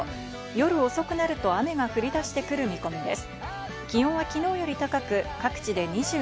夜遅くなると雨が降り出してくる見込みです。